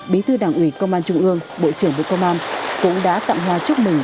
bí thư đảng ủy công an trung ương bộ trưởng bộ công an cũng đã tặng hoa chúc mừng